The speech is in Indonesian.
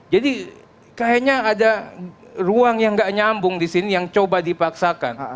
jadi kayaknya ada ruang yang nggak nyambung disini yang coba dipaksakan